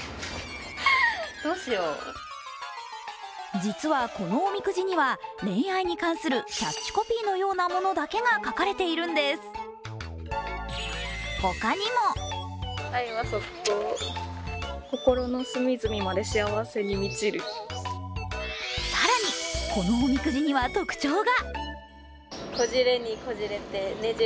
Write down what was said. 実は、このおみくじには恋愛に関するキャッチコピーのようなものだけが書かれているんです、他にも更に、このおみくじには特徴が。